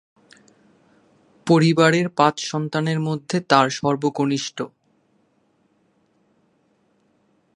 পরিবারের পাঁচ সন্তানের মধ্যে তার সর্বকনিষ্ঠ।